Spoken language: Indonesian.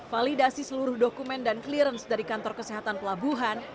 validasi seluruh dokumen dan clearance dari kantor kesehatan pelabuhan